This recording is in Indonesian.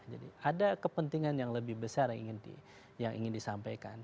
jadi ada kepentingan yang lebih besar yang ingin disampaikan